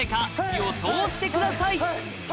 予想してください